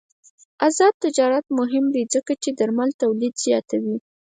آزاد تجارت مهم دی ځکه چې درمل تولید زیاتوي.